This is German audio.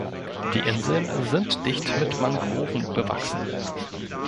Die Inseln sind dicht mit Mangroven bewachsen.